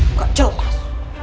buka jual mas